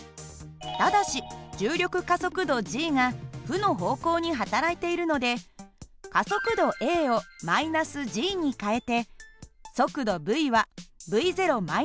ただし重力加速度が負の方向に働いているので加速度ａを−に変えて速度υはυ−ｔ。